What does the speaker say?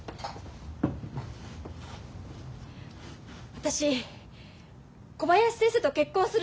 私小林先生と結婚する。